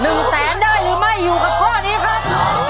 หนึ่งแสนได้หรือไม่อยู่กับข้อนี้ครับ